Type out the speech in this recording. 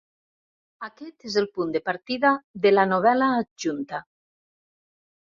Aquest és el punt de partida de la novel·la adjunta.